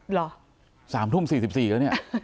เหรอ๓ทุ่ม๔๔แล้วเนี่ย